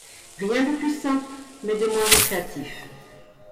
Rien de plus simple, mais de moins récréatif.